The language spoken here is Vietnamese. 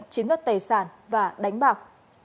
chiếm đất tài sản và đánh bạc